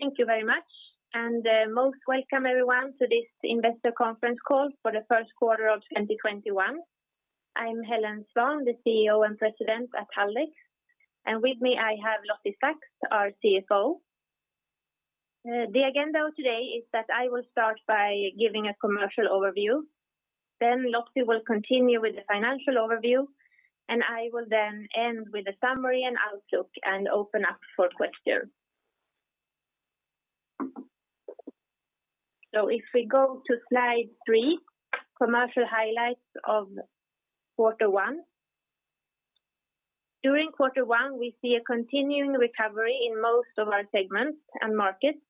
Thank you very much. Most welcome, everyone, to this investor conference call for the first quarter of 2021. I'm Helene Svahn, the CEO and President at Haldex. With me I have Lottie Saks, our CFO. The agenda today is that I will start by giving a commercial overview. Lottie will continue with the financial overview. I will then end with a summary and outlook and open up for questions. If we go to slide three, commercial highlights of quarter one. During quarter one, we see a continuing recovery in most of our segments and markets.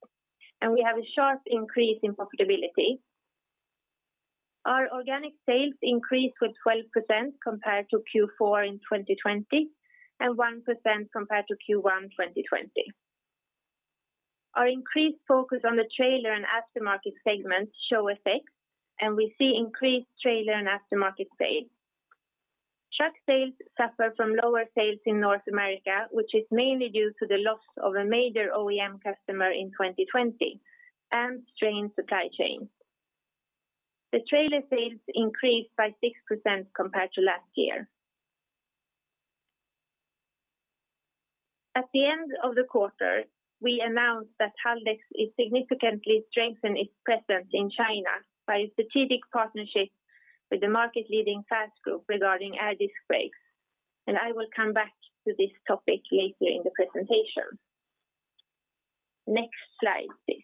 We have a sharp increase in profitability. Our organic sales increased with 12% compared to Q4 in 2020. 1% compared to Q1 2020. Our increased focus on the trailer and aftermarket segments show effects. We see increased trailer and aftermarket sales. Truck sales suffer from lower sales in North America, which is mainly due to the loss of a major OEM customer in 2020 and strained supply chains. The trailer sales increased by 6% compared to last year. At the end of the quarter, we announced that Haldex is significantly strengthening its presence in China by a strategic partnership with the market-leading FAST Group regarding air disc brakes, I will come back to this topic later in the presentation. Next slide, please.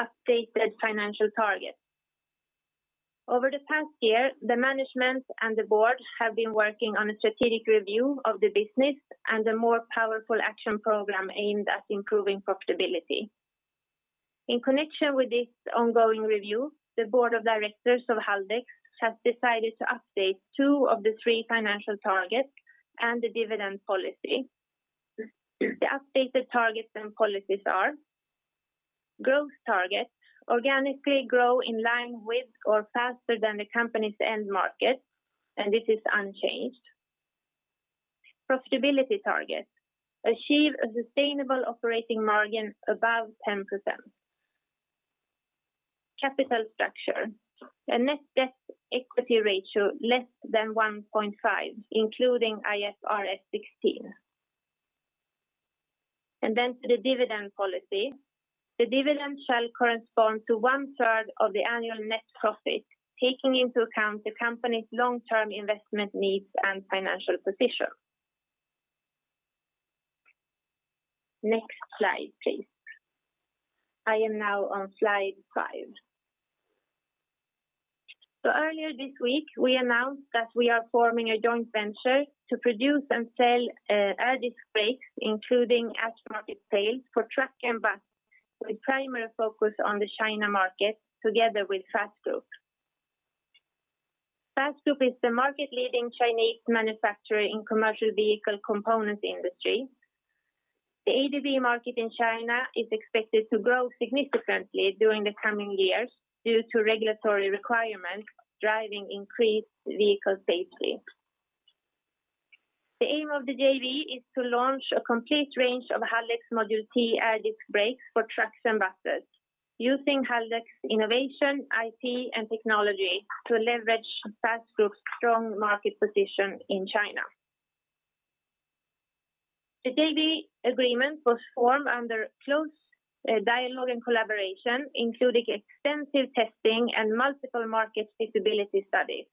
Updated financial targets. Over the past year, the management and the board have been working on a strategic review of the business and a more powerful action program aimed at improving profitability. In connection with this ongoing review, the Board of Directors of Haldex has decided to update two of the three financial targets and the dividend policy. The updated targets and policies are: growth target, organically grow in line with or faster than the company's end market, and this is unchanged. Profitability target, achieve a sustainable operating margin above 10%. Capital structure, a net debt/equity ratio less than 1.5, including IFRS 16. Then to the dividend policy. The dividend shall correspond to one third of the annual net profit, taking into account the company's long-term investment needs and financial position. Next slide, please. I am now on slide five. Earlier this week, we announced that we are forming a joint venture to produce and sell air disc brakes, including aftermarket sales for truck and bus, with primary focus on the China market together with FAST Group. FAST Group is the market-leading Chinese manufacturer in commercial vehicle components industry. The ADB market in China is expected to grow significantly during the coming years due to regulatory requirements driving increased vehicle safety. The aim of the JV is to launch a complete range of Haldex ModulT Air Disc Brakes for trucks and buses using Haldex innovation, IP, and technology to leverage FAST Group's strong market position in China. The JV agreement was formed under close dialogue and collaboration, including extensive testing and multiple market feasibility studies.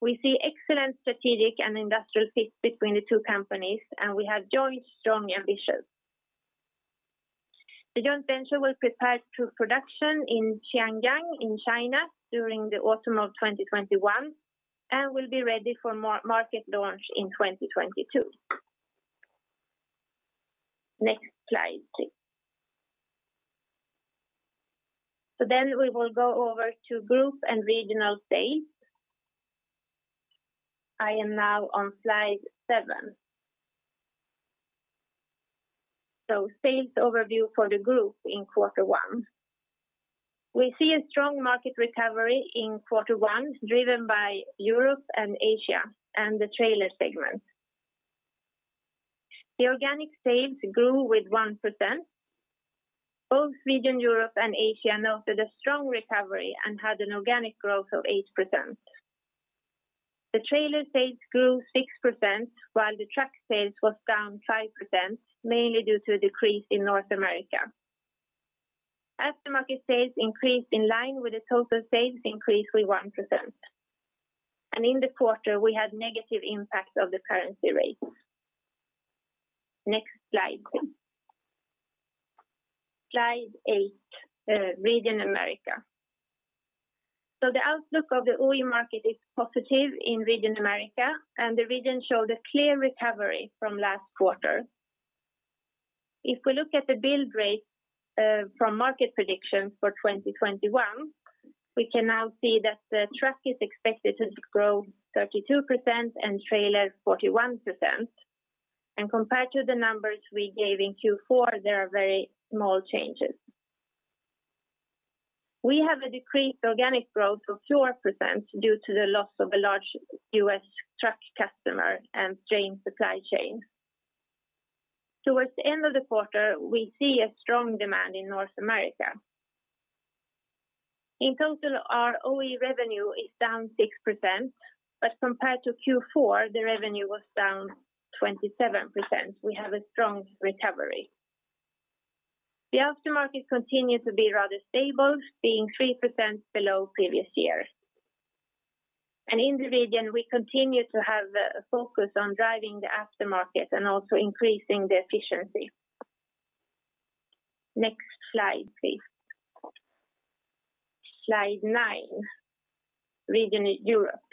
We see excellent strategic and industrial fit between the two companies, and we have joint strong ambitions. The joint venture will prepare to production in Xianyang in China during the autumn of 2021 and will be ready for market launch in 2022. Next slide, please. We will go over to group and regional sales. I am now on slide seven. Sales overview for the group in quarter one. We see a strong market recovery in quarter one driven by Europe and Asia and the trailer segment. The organic sales grew with 1%. Both region Europe and Asia noted a strong recovery and had an organic growth of 8%. The trailer sales grew 6% while the truck sales was down 5%, mainly due to a decrease in North America. Aftermarket sales increased in line with the total sales increase with 1%. In the quarter, we had negative impacts of the currency rates. Next slide, please. Slide eight, region America. The outlook of the OE market is positive in region America, and the region showed a clear recovery from last quarter. If we look at the build rates from market predictions for 2021, we can now see that the truck is expected to grow 32% and trailers 41%. Compared to the numbers we gave in Q4, there are very small changes. We have a decreased organic growth of 4% due to the loss of a large U.S. truck customer and strained supply chain. Towards the end of the quarter, we see a strong demand in North America. In total, our OE revenue is down 6%, but compared to Q4, the revenue was down 27%. We have a strong recovery. The aftermarket continues to be rather stable, being 3% below previous year. In the region, we continue to have a focus on driving the aftermarket and also increasing the efficiency. Next slide, please. Slide nine. Region Europe.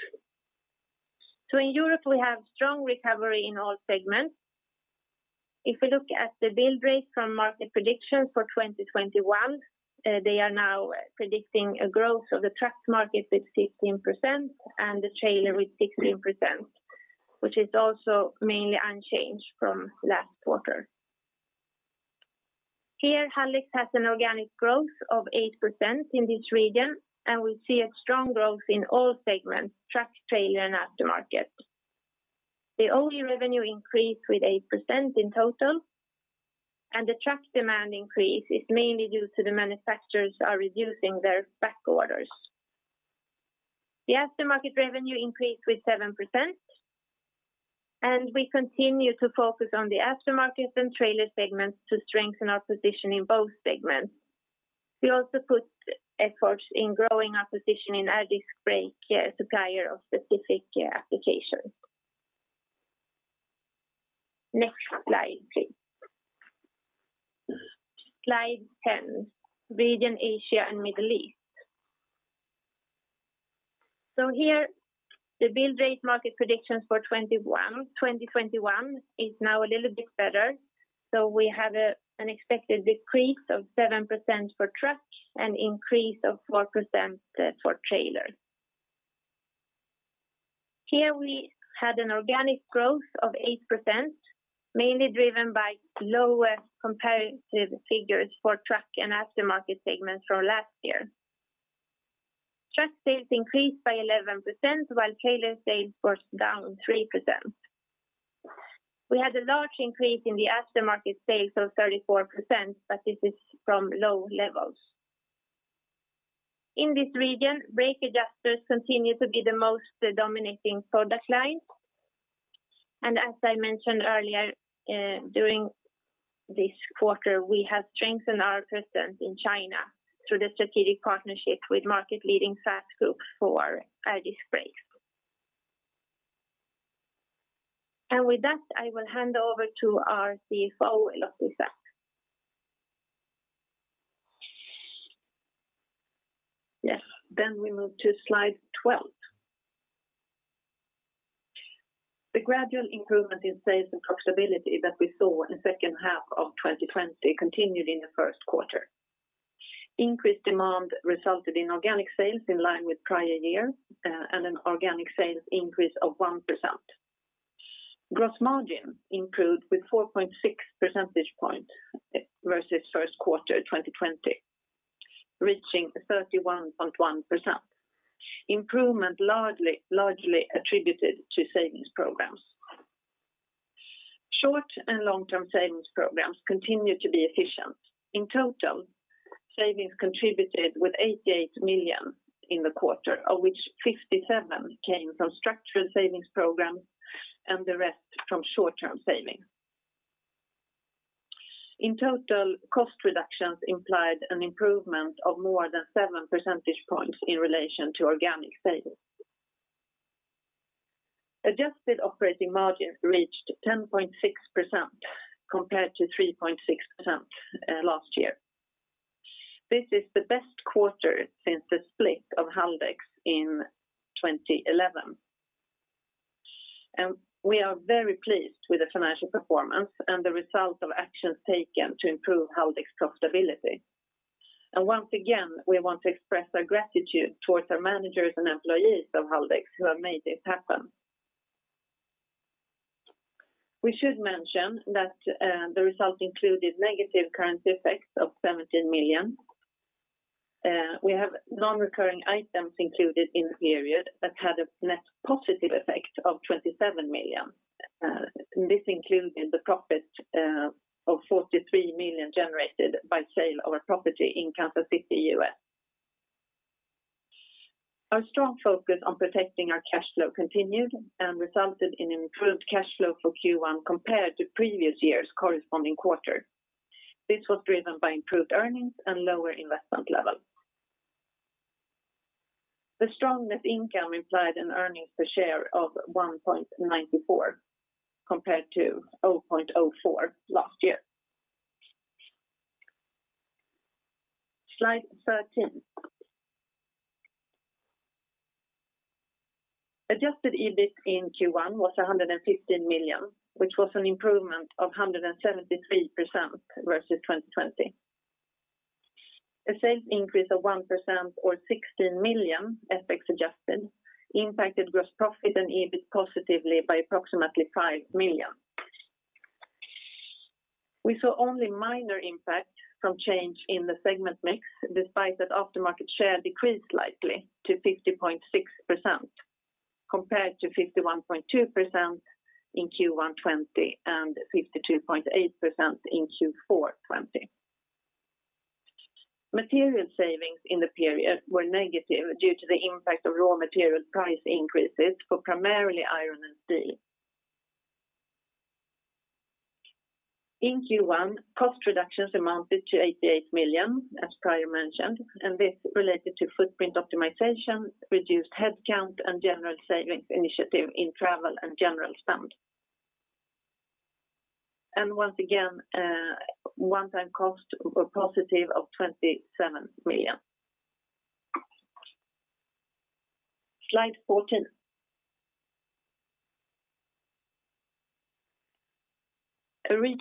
In Europe, we have strong recovery in all segments. If we look at the build rate from market prediction for 2021, they are now predicting a growth of the truck market with 15% and the trailer with 16%, which is also mainly unchanged from last quarter. Here, Haldex has an organic growth of 8% in this region, and we see a strong growth in all segments, truck, trailer, and aftermarket. The OE revenue increased with 8% in total, and the truck demand increase is mainly due to the manufacturers are reducing their back orders. The aftermarket revenue increased with 7%, and we continue to focus on the aftermarket and trailer segments to strengthen our position in both segments. We also put efforts in growing our position in air disc brake supplier of specific applications. Next slide, please. Slide 10. Region Asia and Middle East. Here, the build rate market predictions for 2021 is now a little bit better. We have an expected decrease of 7% for truck and increase of 4% for trailer. Here we had an organic growth of 8%, mainly driven by lower comparative figures for truck and aftermarket segments from last year. Truck sales increased by 11%, while trailer sales was down 3%. We had a large increase in the aftermarket sales of 34%, this is from low levels. In this region, brake adjusters continue to be the most dominating product line. As I mentioned earlier, during this quarter, we have strengthened our presence in China through the strategic partnership with market leading FAST Group for air disc brakes. With that, I will hand over to my CFO, Lottie Saks. Yes. We move to slide 12. The gradual improvement in sales and profitability that we saw in the second half of 2020 continued in the first quarter. Increased demand resulted in organic sales in line with prior year, and an organic sales increase of 1%. Gross margin improved with 4.6 percentage points versus first quarter 2020, reaching 31.1%. Improvement largely attributed to savings programs. Short and long-term savings programs continue to be efficient. In total, savings contributed with 88 million in the quarter, of which 57 million came from structural savings programs and the rest from short-term savings. In total, cost reductions implied an improvement of more than 7 percentage points in relation to organic sales. Adjusted operating margins reached 10.6% compared to 3.6% last year. This is the best quarter since the split of Haldex in 2011. We are very pleased with the financial performance and the result of actions taken to improve Haldex profitability. Once again, we want to express our gratitude towards our managers and employees of Haldex who have made this happen. We should mention that the result included negative currency effects of 17 million. We have non-recurring items included in the period that had a net positive effect of 27 million. This included the profit of 43 million generated by sale of a property in Kansas City, U.S. Our strong focus on protecting our cash flow continued and resulted in improved cash flow for Q1 compared to previous year's corresponding quarter. This was driven by improved earnings and lower investment level. The strong net income implied an earnings per share of 1.94 compared to 0.04 last year. Slide 13. Adjusted EBIT in Q1 was 115 million, which was an improvement of 173% versus 2020. A sales increase of 1% or 16 million, FX adjusted, impacted gross profit and EBIT positively by approximately 5 million. We saw only minor impact from change in the segment mix, despite that aftermarket share decreased slightly to 50.6%, compared to 51.2% in Q1 2020, and 52.8% in Q4 2020. Material savings in the period were negative due to the impact of raw material price increases for primarily iron and steel. In Q1, cost reductions amounted to 88 million, as prior mentioned. This related to footprint optimization, reduced headcount, and general savings initiative in travel and general spend. Once again, a one-time cost, a positive of 27 million. Slide 14. A recap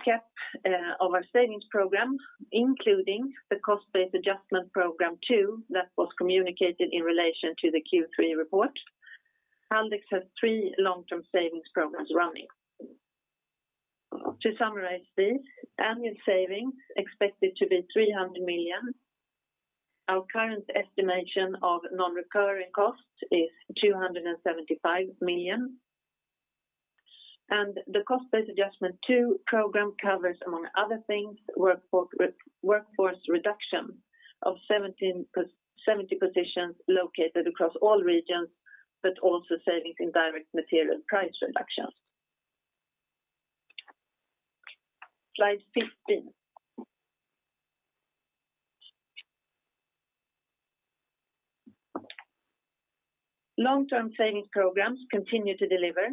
of our savings program, including the cost adjustment program two that was communicated in relation to the Q3 report. Haldex has three long-term savings programs running. To summarize these, annual savings expected to be 300 million. Our current estimation of non-recurring costs is 275 million. The Cost Base Adjustment Two Program covers, among other things, workforce reduction of 70 positions located across all regions, but also savings in direct material price reductions. Slide 15. Long-term savings programs continue to deliver.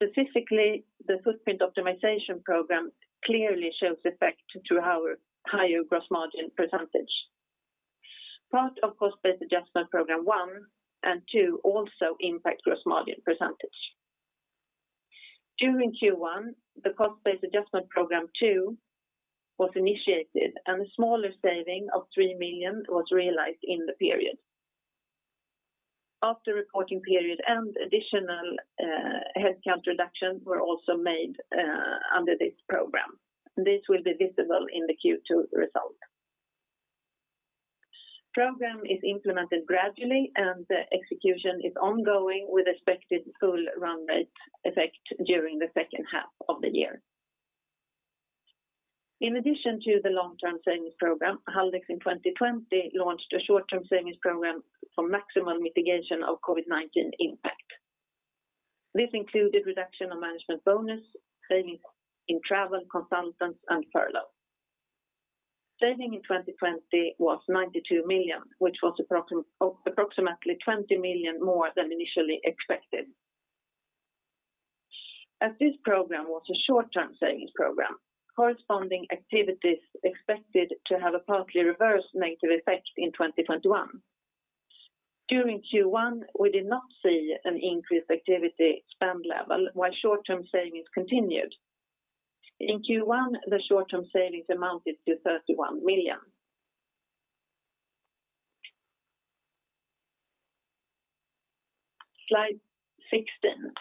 Specifically, the Footprint Optimization Program clearly shows effect to our higher gross margin percentage. Part of Cost Base Adjustment Program One and Two also impact gross margin percentage. During Q1, the Cost Base Adjustment Program Two was initiated, a smaller saving of 3 million was realized in the period. After reporting period, additional headcount reductions were also made under this program. This will be visible in the Q2 result. Program is implemented gradually, the execution is ongoing with expected full run rate effect during the second half of the year. In addition to the long-term savings program, Haldex in 2020 launched a short-term savings program for maximum mitigation of COVID-19 impact. This included reduction of management bonus, savings in travel, consultants, and furlough. Saving in 2020 was 92 million, which was approximately 20 million more than initially expected. As this program was a short-term savings program, corresponding activities expected to have a partly reverse negative effect in 2021. During Q1, we did not see an increased activity spend level while short-term savings continued. In Q1, the short-term savings amounted to 31 million. Slide 16.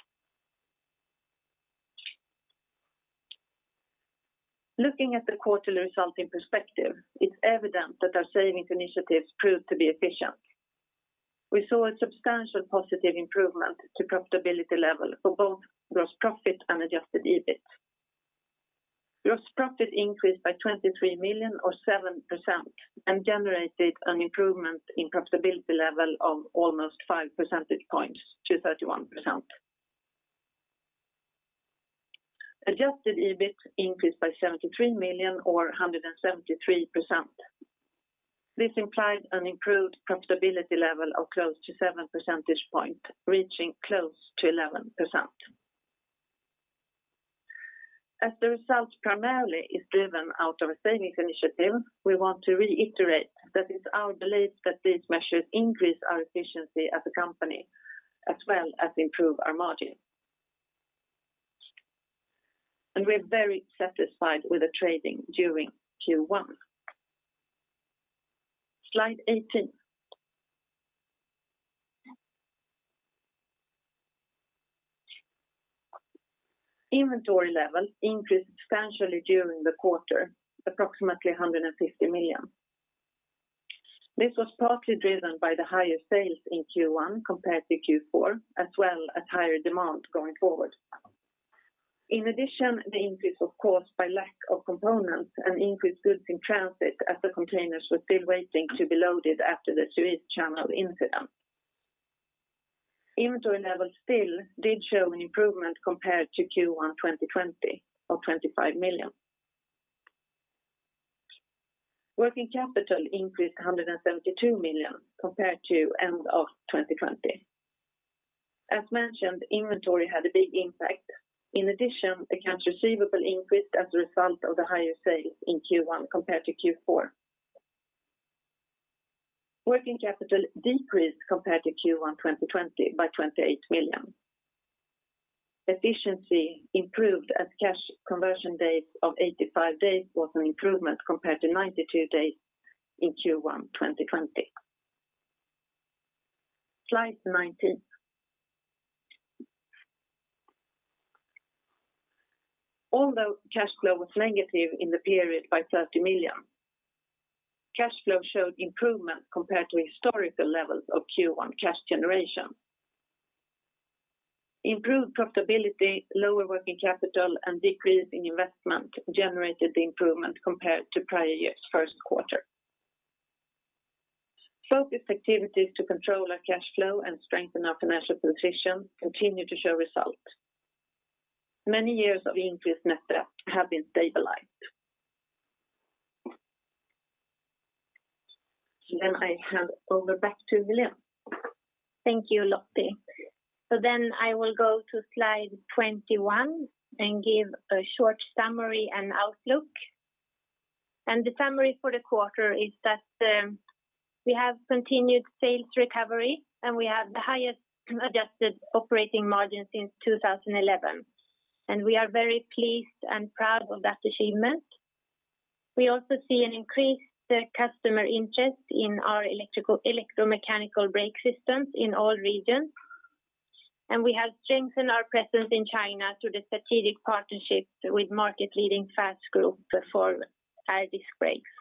Looking at the quarterly result in perspective, it's evident that our savings initiatives proved to be efficient. We saw a substantial positive improvement to profitability level for both gross profit and adjusted EBIT. Gross profit increased by 23 million or 7% and generated an improvement in profitability level of almost 5 percentage points to 31%. Adjusted EBIT increased by 73 million or 173%. This implied an improved profitability level of close to 7 percentage point, reaching close to 11%. As the result primarily is driven out of a savings initiative, we want to reiterate that it's our belief that these measures increase our efficiency as a company as well as improve our margin. We're very satisfied with the trading during Q1. Slide 18. Inventory level increased substantially during the quarter, approximately 150 million. This was partly driven by the higher sales in Q1 compared to Q4, as well as higher demand going forward. In addition, the increase was caused by lack of components and increased goods in transit as the containers were still waiting to be loaded after the Suez Canal incident. Inventory levels still did show an improvement compared to Q1 2020 of 25 million. Working capital increased 172 million compared to end of 2020. As mentioned, inventory had a big impact. In addition, accounts receivable increased as a result of the higher sales in Q1 compared to Q4. Working capital decreased compared to Q1 2020 by 28 million. Efficiency improved as cash conversion days of 85 days was an improvement compared to 92 days in Q1 2020. Slide 19. Although cash flow was negative in the period by 30 million, cash flow showed improvement compared to historical levels of Q1 cash generation. Improved profitability, lower working capital, and decrease in investment generated the improvement compared to prior year's first quarter. Focused activities to control our cash flow and strengthen our financial position continue to show result. Many years of increased net debt have been stabilized. I hand over back to Helene. Thank you, Lottie. I will go to slide 21 and give a short summary and outlook. The summary for the quarter is that we have continued sales recovery, and we have the highest adjusted operating margin since 2011, and we are very pleased and proud of that achievement. We also see an increased customer interest in our electromechanical brake systems in all regions. We have strengthened our presence in China through the strategic partnerships with market-leading FAST Group for our disc brakes.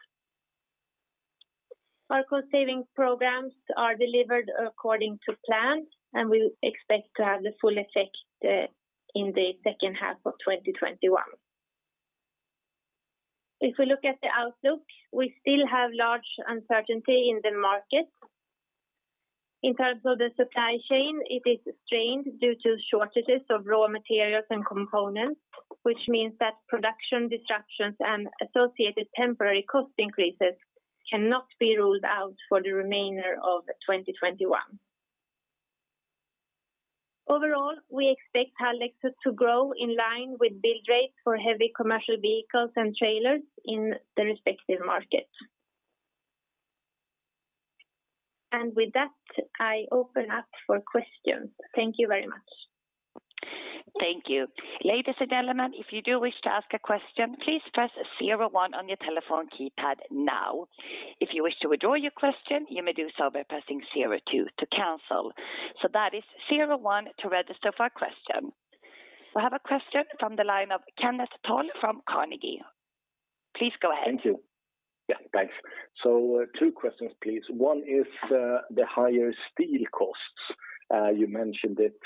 Our cost-saving programs are delivered according to plan, and we expect to have the full effect in the second half of 2021. If we look at the outlook, we still have large uncertainty in the market. In terms of the supply chain, it is strained due to shortages of raw materials and components, which means that production disruptions and associated temporary cost increases cannot be ruled out for the remainder of 2021. Overall, we expect Haldex to grow in line with build rates for heavy commercial vehicles and trailers in the respective markets. With that, I open up for questions. Thank you very much. Thank you. Ladies and gentlemen, if you do wish to ask a question, please press zero one on your telephone keypad now. If you wish to withdraw your question, you may do so by pressing zero two to cancel. That is zero one to register for a question. I have a question from the line of Kenneth Toll from Carnegie. Please go ahead. Thank you. Yeah, thanks. Two questions, please. One is the higher steel costs. You mentioned it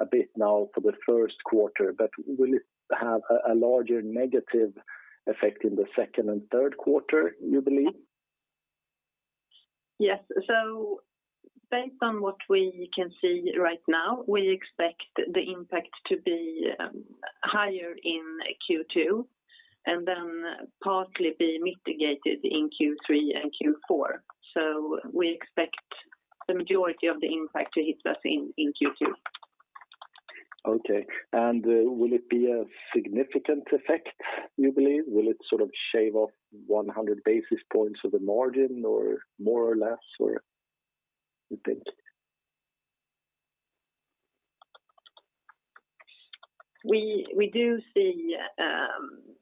a bit now for the first quarter, but will it have a larger negative effect in the second and third quarter, you believe? Yes. Based on what we can see right now, we expect the impact to be higher in Q2, and then partly be mitigated in Q3 and Q4. We expect the majority of the impact to hit us in Q2. Okay. Will it be a significant effect, you believe? Will it shave off 100 basis points of the margin or more or less, or you think? We do see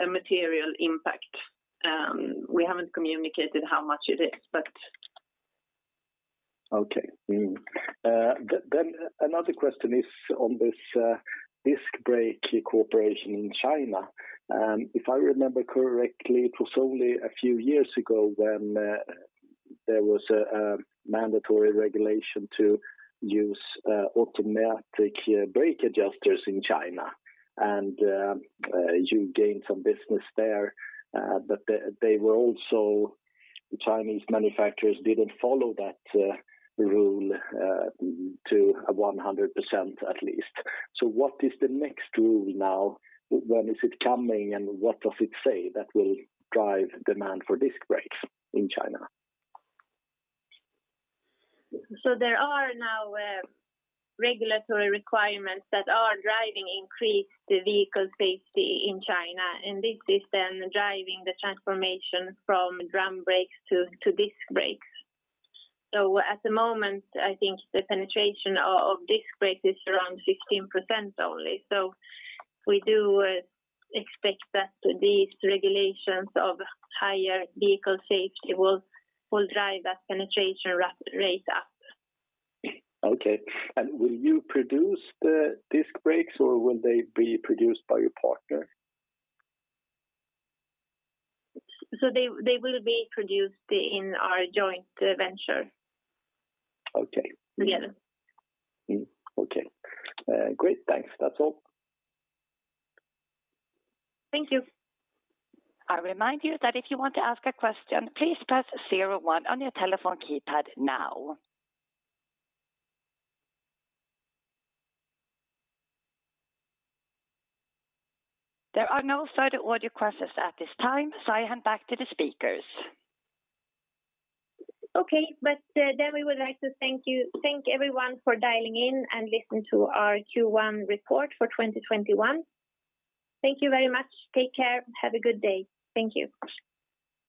a material impact. We haven't communicated how much it is. Okay. Another question is on this disc brake cooperation in China. If I remember correctly, it was only a few years ago when there was a mandatory regulation to use automatic brake adjusters in China, and you gained some business there. The Chinese manufacturers didn't follow that rule to 100% at least. What is the next rule now? When is it coming, and what does it say that will drive demand for disc brakes in China? There are now regulatory requirements that are driving increased vehicle safety in China, and this is then driving the transformation from drum brakes to disc brakes. At the moment, I think the penetration of disc brakes is around 15% only. We do expect that these regulations of higher vehicle safety will drive that penetration rate up. Okay. Will you produce the disc brakes, or will they be produced by your partner? They will be produced in our joint venture. Okay. Together. Okay. Great. Thanks. That's all. Thank you. I remind you that if you want to ask a question, please press zero one on your telephone keypad now. There are no further audio questions at this time, so I hand back to the speakers. Okay, we would like to thank everyone for dialing in and listening to our Q1 report for 2021. Thank you very much. Take care. Have a good day. Thank you.